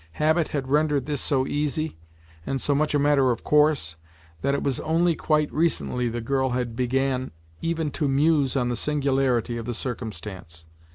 Habit had rendered this so easy, and so much a matter of course, that it was only quite recently the girl had began even to muse on the singularity of the circumstance.